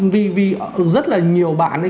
vì rất là nhiều bạn